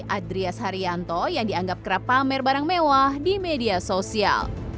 adrias haryanto yang dianggap kerap pamer barang mewah di media sosial